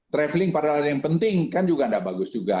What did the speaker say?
traveling pada lalu yang penting kan juga nggak bagus juga